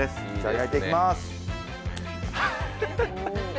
焼いていきます。